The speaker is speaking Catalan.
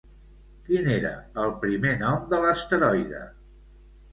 Quin era el primer nom de l'asteroide?